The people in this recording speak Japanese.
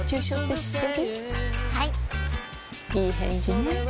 いい返事ね